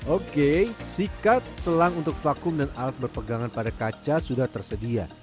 oke sikat selang untuk vakum dan alat berpegangan pada kaca sudah tersedia